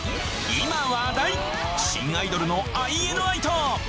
今話題新アイドルのＩＮＩと。